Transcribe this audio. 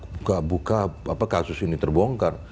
buka buka kasus ini terbongkar